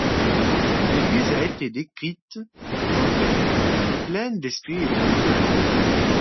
Louise a été décrite comme belle, pleine d'esprit et de naturel.